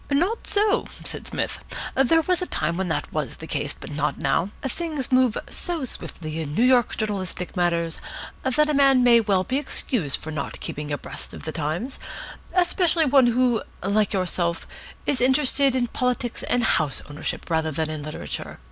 "Not so," said Psmith. "There was a time when that was the case, but not now. Things move so swiftly in New York journalistic matters that a man may well be excused for not keeping abreast of the times, especially one who, like yourself, is interested in politics and house ownership rather than in literature.